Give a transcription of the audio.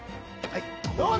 はい